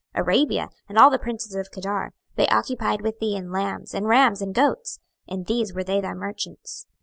26:027:021 Arabia, and all the princes of Kedar, they occupied with thee in lambs, and rams, and goats: in these were they thy merchants.